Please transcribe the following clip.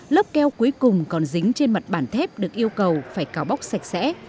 lớp keo cuối cùng còn dính trên mặt bản thép được yêu cầu phải cào bóc sạch sẽ